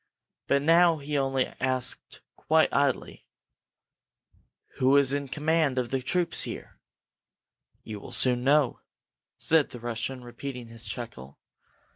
But now he only asked, quite idly: "Who is in command of the troops here?" "You will soon know," said the Russian, repeating his chuckle.